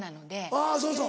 あぁそうそう。